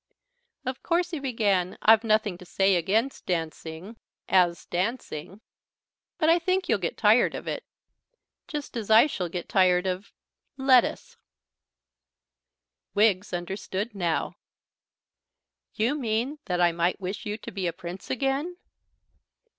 "Of course," he began, "I've nothing to say against dancing as dancing, but I think you'll get tired of it. Just as I shall get tired of lettuce." Wiggs understood now. "You mean that I might wish you to be a Prince again?"